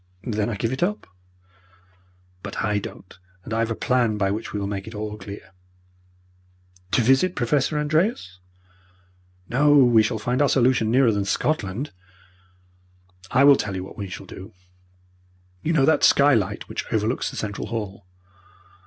"Then I give it up." "But I don't and I have a plan by which we will make it all clear." "To visit Professor Andreas?" "No, we shall find our solution nearer than Scotland. I will tell you what we shall do. You know that skylight which overlooks the central hall?